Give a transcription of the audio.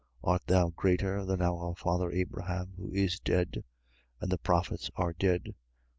8:53. Art thou greater than our father Abraham who is dead? And the prophets are dead.